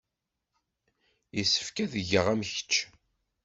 Yessefk ad geɣ am kečč.